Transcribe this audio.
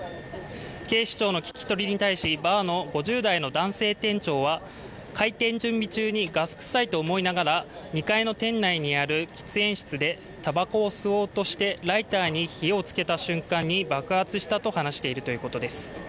警視庁の聴き取りに対し、バーの５０代の男性店長は開店準備中にガスくさいと思いながら２階の店内にある喫煙室でたばこを吸おうとしてライターに火をつけた瞬間に爆発したと話しているということです。